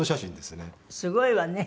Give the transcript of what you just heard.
すごいわね。